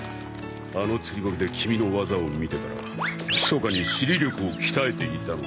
あの釣り堀でキミの技を見てからひそかに尻力を鍛えていたのだ。